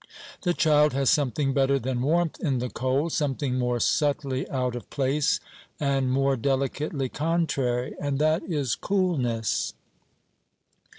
The child has something better than warmth in the cold, something more subtly out of place and more delicately contrary; and that is coolness.